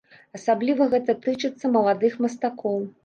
Асабліва гэты тычыцца маладых мастакоў.